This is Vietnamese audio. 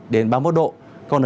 còn trong khu vực trung bộ